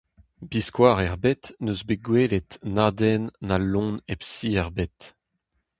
Biskoazh er bed n'eus bet gwelet na den na loen hep si ebet.